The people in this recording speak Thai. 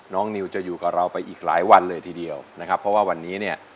นิวจะอยู่กับเราไปอีกหลายวันเลยทีเดียวนะครับเพราะว่าวันนี้เนี่ย